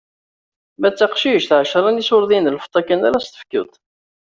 Ma d taqcict ɛecṛa n iṣurdiyen n lfeṭṭa kan ara s-tefkeḍ.